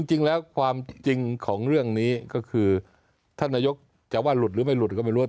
จริงแล้วความจริงของเรื่องนี้ก็คือท่านนายกจะว่าหลุดหรือไม่หลุดก็ไม่รู้